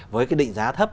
với cái định giá thấp